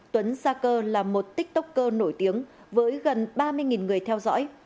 tuấn sa cơ là một tiktoker nổi tiếng với gần ba mươi người theo dõi